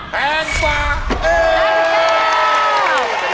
แพงกว่า